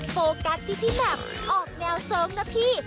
โฟกัสที่พี่แหม่มออกแนวเสิร์งนะพี่